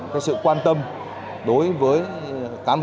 cái sự quan tâm đối với cán bộ